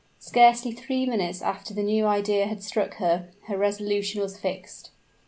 Scarcely three minutes after the new idea had struck her, her resolution was fixed.